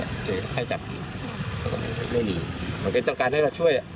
เพราะเหมือนต้องการให้เราช่วย